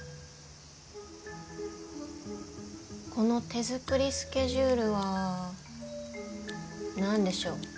この手作りスケジュールは何でしょう？